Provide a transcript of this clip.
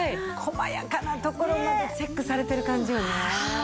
細やかなところまでチェックされてる感じよね。